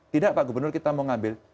tidak pak gubernur kita mau ngambil